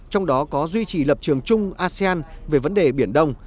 trong đó có duy trì lập trường chung asean về vấn đề biển đông